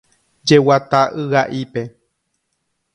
Jeguata yga'ípe.